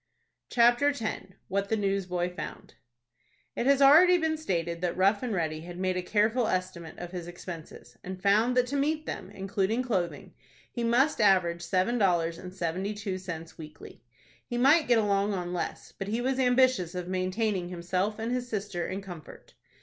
CHAPTER X. WHAT THE NEWSBOY FOUND. It has been already stated that Rough and Ready had made a careful estimate of his expenses, and found that to meet them, including clothing, he must average seven dollars and seventy two cents weekly. He might get along on less, but he was ambitious of maintaining himself and his sister in comfort.